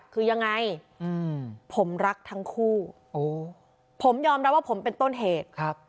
คือยังไงผมรักทั้งคู่ผมยอมรับว่าผมเป็นต้นเหตุครับ